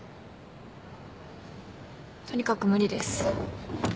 とにかく無理です。